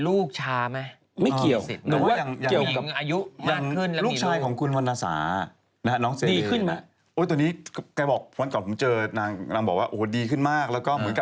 ทุกวันนี้มันมีเยอะขึ้น